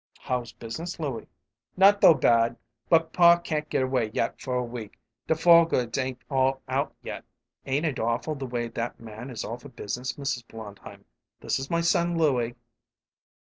"How's business, Louie?" "Not tho bad, but pa can't get away yet for a week. The fall goods ain't all out yet." "Ain't it awful, the way that man is all for business, Mrs. Blondheim? This is my son Louie."